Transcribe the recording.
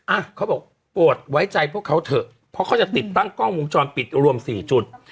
อ่ะเขาบอกโปรดไว้ใจพวกเขาเถอะเพราะเขาจะติดตั้งกล้องวงจรปิดรวมสี่จุด